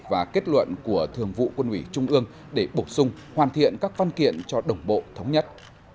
và kết luận của thường vụ quân ủy trung ương để bổ sung hoàn thiện các văn kiện cho đồng bộ thống nhất